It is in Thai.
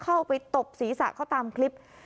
เข้าไปตบศีรษะเขาตามคลิป